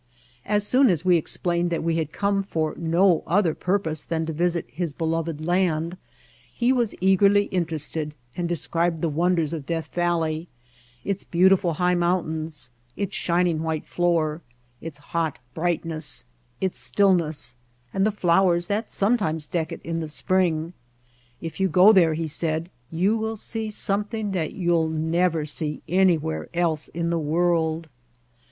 As soon as we ex plained that we had come for no other purpose than to visit his beloved land he was eagerly interested and described the wonders of Death Valley, its beautiful high mountains, its shining white floor, its hot brightness, its stillness, and the flowers that sometimes deck it in the spring. "If you go there," he said, "you will see some thing that you'll never see anywhere else in the world."